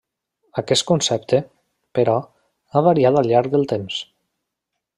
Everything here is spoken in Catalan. Aquest concepte, però, ha variat al llarg del temps.